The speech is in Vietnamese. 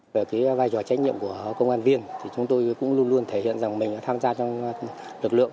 về cái vai trò trách nhiệm của công an viên thì chúng tôi cũng luôn luôn thể hiện rằng mình đã tham gia trong lực lượng